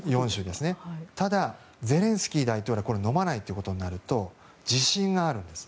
ただ、ゼレンスキー大統領はのまないということになると自信があるんです。